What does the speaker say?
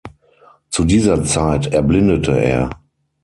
Zu dieser Zeit erblindete er.